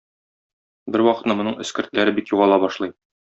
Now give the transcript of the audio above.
Бервакытны моның эскертләре бик югала башлый.